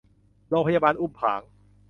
โรงพยาบาลอุ้มผาง